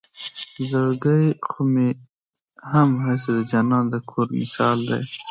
زړګے خو مې هم هسې د جانان د کور مثال دے